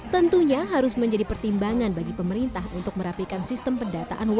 tentunya harus menjadi pertimbangan bagi pemerintah untuk merapikan sistem pendataan warga